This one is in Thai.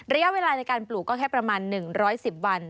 ระยะเวลาในการปลูกก็แค่ประมาณ๑๑๐วัน